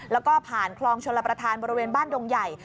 แล้วก็ผ่านคลองชลประธานบริเวณบ้านดงใหญ่